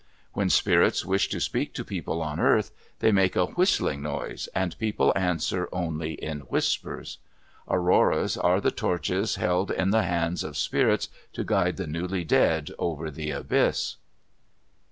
When spirits wish to speak to people on earth, they make a whistling noise and people answer only in whispers. Auroras are the torches held in the hands of spirits to guide the newly dead over the abyss.